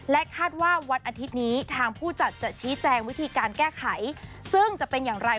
คาดว่าวันอาทิตย์นี้ทางผู้จัดจะชี้แจงวิธีการแก้ไขซึ่งจะเป็นอย่างไร